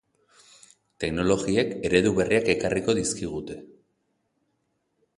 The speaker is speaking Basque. Teknologiek eredu berriak ekarriko dizkugute.